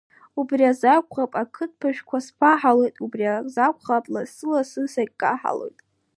Убри азакәхап, ақыдбажәқәа сԥаҳалоит, убри азакәхап, лассы-ласс сагькаҳалоит.